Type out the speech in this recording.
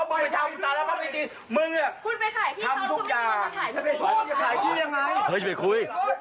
เฮ้ยจะไปคุยจะไปคุยเรื่องนี้